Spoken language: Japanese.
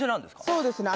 そうですね